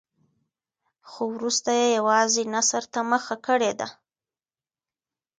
خو وروسته یې یوازې نثر ته مخه کړې ده.